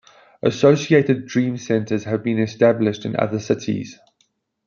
Associated Dream Centers have been established in other cities.